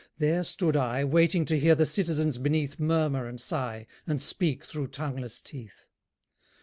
There stood I, Waiting to hear the citizens beneath Murmur and sigh and speak through tongueless teeth.